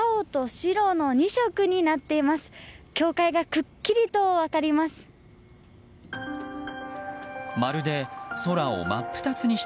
境界がくっきりと分かります。